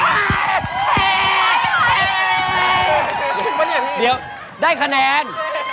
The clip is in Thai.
อ้าวทำไมได้๑ข้อ๑คะแนน